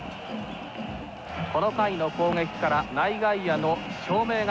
この回の攻撃から内外野の照明がつきました。